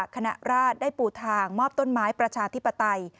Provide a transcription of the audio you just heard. คณะราชได้ปูทางมอบต้นไม้ประชาธิปไตย